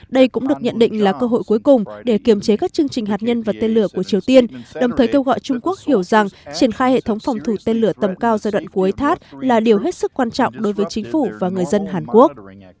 đây cũng được nhận định là cơ hội cuối cùng để kiềm chế các chương trình hạt nhân và tên lửa của triều tiên đồng thời kêu gọi trung quốc hiểu rằng triển khai hệ thống phòng thủ tên lửa tầm cao giai đoạn cuối thắt là điều hết sức quan trọng đối với chính phủ và người dân hàn quốc